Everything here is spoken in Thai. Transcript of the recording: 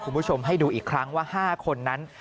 คุณผู้ชมให้ดูอีกครั้งว่า๕คนนั้น